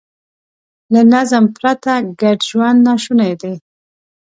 له نظم پرته ګډ ژوند ناشونی دی.